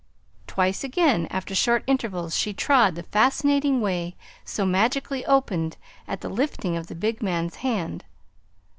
Twice again, after short intervals, she trod the fascinating way so magically opened at the lifting of the big man's hand.